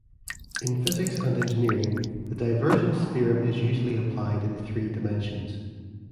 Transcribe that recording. In physics and engineering, the divergence theorem is usually applied in three dimensions.